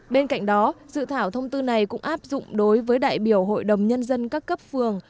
bên cạnh đó dự thảo thông tư này cũng áp dụng đối với đại biểu hội đồng nhân dân các cấp phường